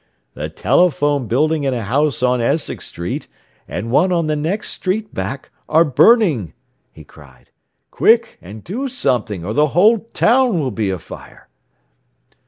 "The telephone building and a house on Essex Street, and one on the next street back, are burning!" he cried. "Quick, and do something, or the whole town will be afire!"